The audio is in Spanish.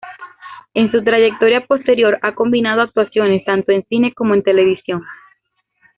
En su trayectoria posterior ha combinado actuaciones tanto en cine como en televisión.